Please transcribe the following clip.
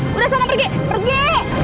sudah sama pergi pergi